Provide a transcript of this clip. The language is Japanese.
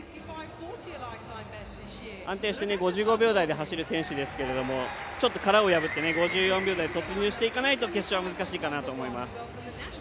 安定して５５秒台で走る選手ですけれども、ちょっと殻を破って５４秒台に突入していかないと決勝は難しいかなと思います。